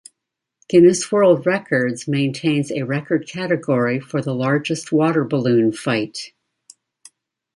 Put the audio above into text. Guinness World Records maintains a record category for largest water balloon fight.